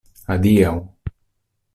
Adiaŭ.